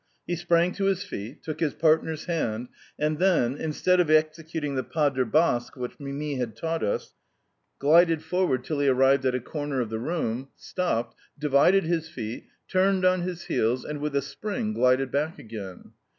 He sprang to his feet, took his partner's hand, and then, instead of executing the pas de Basques which Mimi had taught us, glided forward till he arrived at a corner of the room, stopped, divided his feet, turned on his heels, and, with a spring, glided back again.